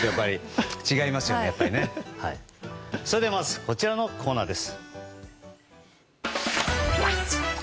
それではこちらのコーナーです。